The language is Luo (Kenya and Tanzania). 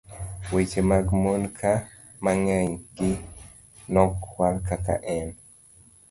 weche mag mon ka, ma ng'eny gi nokwal kaka en